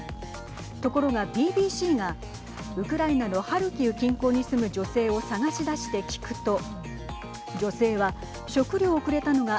ところがＢＢＣがウクライナのハルキウ近郊に住む女性を探し出して聞くと女性は、食料をくれたのが